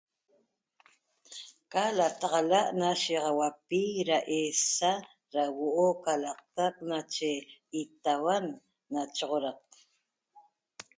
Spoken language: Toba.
Ca lataxala' na shiyaxauapi da eesa da huo'o ca l'aqtac nache itauan na choxodaq